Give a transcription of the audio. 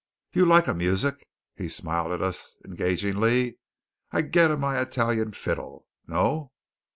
"You lika music?" he smiled at us engagingly. "I getta my Italian fiddle? No?"